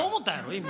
今。